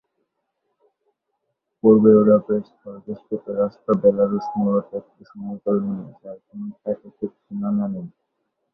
পূর্ব ইউরোপের স্থলবেষ্টিত রাষ্ট্র বেলারুশ মূলত একটি সমতল ভূমি যার কোন প্রাকৃতিক সীমানা নেই।